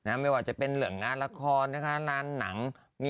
ไม่ว่าจะเป็นเรื่องงานละครนะคะงานหนัง